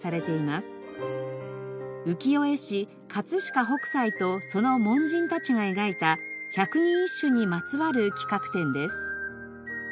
浮世絵師飾北斎とその門人たちが描いた百人一首にまつわる企画展です。